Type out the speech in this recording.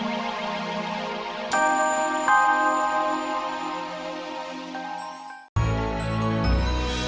yaudah tapi kamu janji